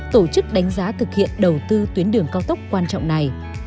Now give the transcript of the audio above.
tổ chức đánh giá thực hiện đầu tư tuyến đường cao tốc quan trọng này